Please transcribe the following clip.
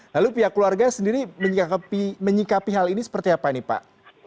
lalu pihak keluarga sendiri menyikapi hal ini seperti apa nih pak